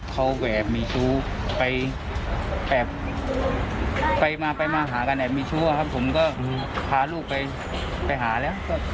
เขาแอบมีชู้ไปแอบไปมาไปมาหากันแอบมีชู้ครับผมก็พาลูกไปหาแล้ว